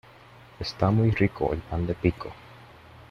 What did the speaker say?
Está muy rico el pan de pico